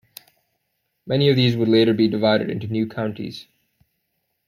Many of these would later be divided into new counties.